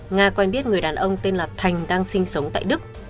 nga quen biết người đàn ông tên là thành đang sinh sống tại đức